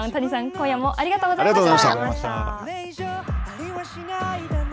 今夜もありがとうございました。